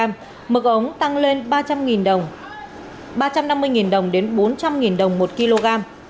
mực ống tăng lên ba trăm năm mươi đồng đến bốn trăm linh đồng